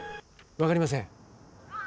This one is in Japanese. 分かりません。